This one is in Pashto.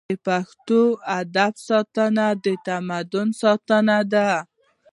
د پښتو ادب ساتنه د تمدن ساتنه ده.